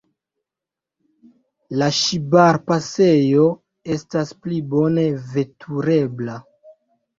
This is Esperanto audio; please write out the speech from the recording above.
La Ŝibar-pasejo estas pli bone veturebla.